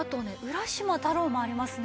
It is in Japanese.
『浦島太郎』もありますね。